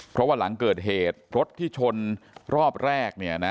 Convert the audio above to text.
เพราะว่าหลังเกิดเหตุรถที่ชนรอบแรก